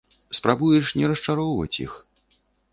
Спрабуеш не расчароўваць іх.